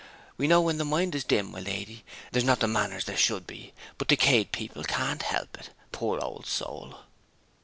We know when the mind is dim, my lady, there's not the manners there should be; but decayed people can't help it, poor old soul!'